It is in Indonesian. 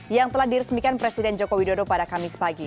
yang telah diresmikan presiden joko widodo pada kamis pagi